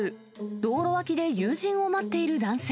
道路脇で友人を待っている男性。